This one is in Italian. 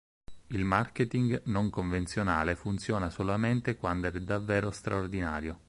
Il marketing non convenzionale funziona solamente quando è davvero straordinario.